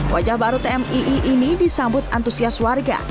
wajah baru tmii ini disambut antusias warga